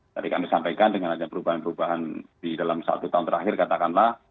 tadi kami sampaikan dengan adanya perubahan perubahan di dalam satu tahun terakhir katakanlah